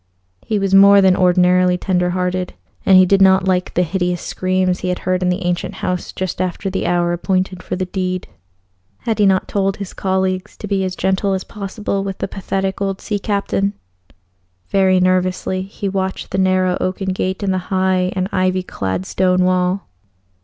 He was more than ordinarily tender hearted, and he did not like the hideous screams he had heard in the ancient house just after the hour appointed for the deed. Had he not told his colleagues to be as gentle as possible with the pathetic old sea captain? Very nervously he watched that narrow oaken gate in the high and ivy clad stone wall.